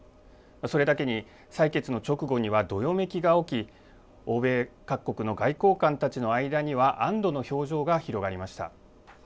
それだけに採決の直後にはどよめきが起き欧米各国の外交官たちの間には安どの表情が広がりました。